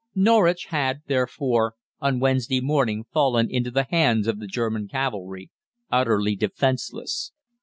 Norwich had, therefore, on Wednesday morning fallen into the hands of the German cavalry, utterly defenceless.